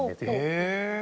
「へえ！」